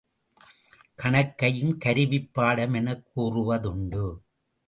கணக்கையும் கருவிப் பாடம் எனக் கூறுவதுண்டு.